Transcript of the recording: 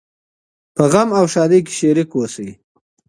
په غم او ښادۍ کي شريک اوسئ.